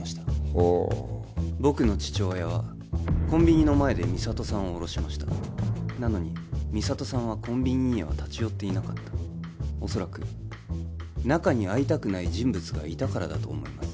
ほう僕の父親はコンビニの前で美里さんを降ろしましたなのに美里さんはコンビニには立ち寄っていなかったおそらく中に会いたくない人物がいたからだと思います